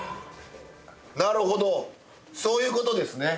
なるほどそういうことですね。